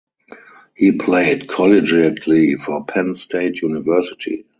He played collegiately for Penn State University.